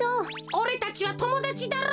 おれたちはともだちだろ！